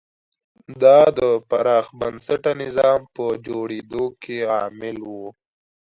دا د پراخ بنسټه نظام په جوړېدو کې عامل و.